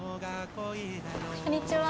こんにちは。